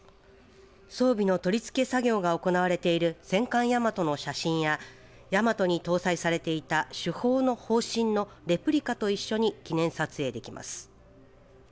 装備の取り付け作業が行われている戦艦大和の写真や大和に搭載されていた主砲の砲身のレプリカと一緒に記念撮影できます。